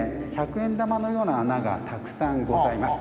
１００円玉のような穴がたくさんございます。